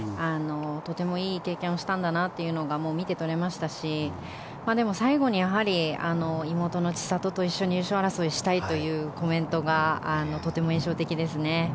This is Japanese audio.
とてもいい経験をしたんだなというのが見て取れましたしでも、最後に妹の千怜と一緒に優勝争いしたいというコメントがとても印象的ですね。